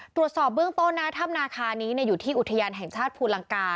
ตรวจสอบเบื้องต้นนะถ้ำนาคานี้อยู่ที่อุทยานแห่งชาติภูลังกา